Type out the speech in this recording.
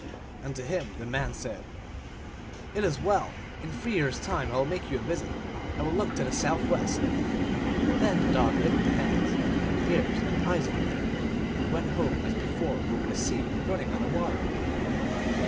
And to him the man said, " It is well. In three years time I will make you a visit. I will look to the southwest." Then the dog licked the hands and the ears and the eyes of the man, and went home as before over the sea, running on the water.